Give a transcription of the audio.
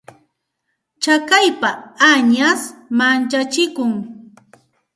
Tsakaypa añash manchachikun.